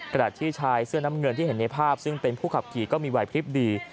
ขณะที่ชายเสื้อน้ำเงินที่เห็นในภาพซึ่งเป็นผู้ขับขี่ก็มีไหวพลิบดี